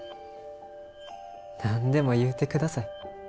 何でも言うて下さい。